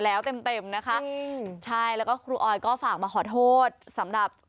แต่ตอนแรกจะววววววววยังได้ที่๓เนาะ